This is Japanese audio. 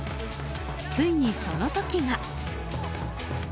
ついに、その時が。